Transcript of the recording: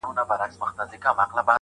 بزه په خپلو ښکرو نه درنېږي.